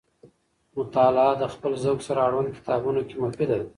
مطالعه د خپل ذوق سره اړوند کتابونو کې مفیده ده.